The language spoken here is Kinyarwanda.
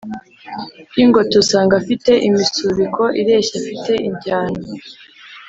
ry'ingoto usanga afite imisubiko ireshya, afite i njyana